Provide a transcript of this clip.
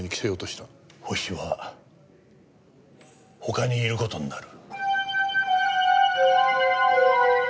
ホシは他にいる事になる。